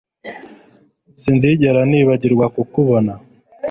Sinzigera nibagirwa kukubona